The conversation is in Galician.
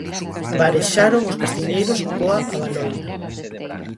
Varexaron os castiñeiros coa abaloira.